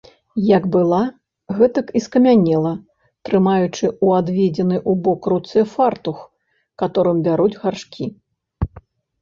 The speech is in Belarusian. Як была, гэтак і скамянела, трымаючы ў адведзенай убок руцэ фартух, каторым бяруць гаршкі.